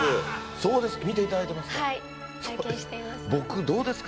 そうですか、見ていただいてますか。